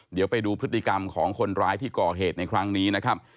เดี๋ยวไปดูพฤติกรรมของคนร้ายที่ก่อเหตุในครั้งนี้นะครับ